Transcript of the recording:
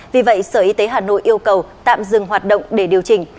vì vậy sở y tế hà nội yêu cầu tạm dừng hoạt động để điều chỉnh